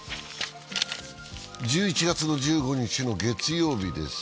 １１月１５日の月曜日です。